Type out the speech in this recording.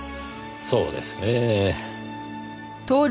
そうですねぇ。